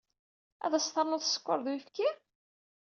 Ad as-ternuḍ sskeṛ d uyefki?